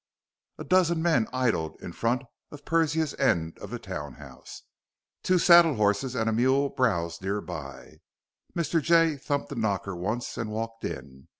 A dozen men idled in front of Persia's end of the townhouse. Two saddlehorses and a mule browsed nearby. Mr. Jay thumped the knocker once and walked in.